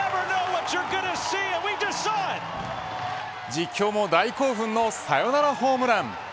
実況も大興奮のサヨナラホームラン。